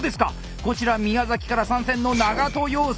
こちら宮崎から参戦の長渡洋介。